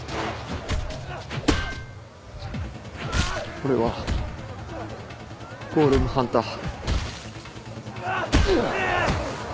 俺はゴーレムハンター。